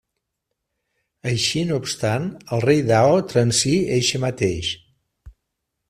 Això no obstant, el Rei Dao transí eixe mateix.